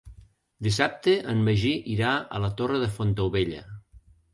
Dissabte en Magí irà a la Torre de Fontaubella.